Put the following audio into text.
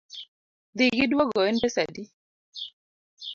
Dhi gi duogo en pesa adi?